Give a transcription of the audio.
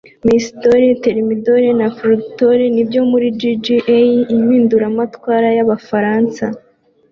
Messidor, Thermidor na Fructidor nibyo mu (JJA) Impinduramatwara y'Abafaransa